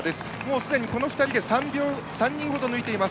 すでに、この２人で３人程抜いています。